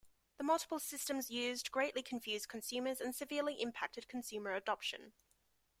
The multiple systems used greatly confused consumers and severely impacted consumer adoption.